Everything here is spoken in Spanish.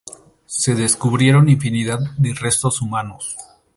Se descubrieron infinidad de restos humanos.